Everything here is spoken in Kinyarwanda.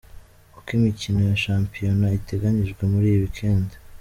Uko Imikino ya shampiyona iteganyijwe muri iyi weekend:.